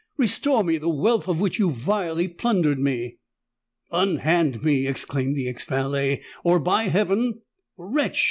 Restore me the wealth of which you vilely plundered me!" "Unhand me," exclaimed the ex valet; "or, by heaven——" "Wretch!"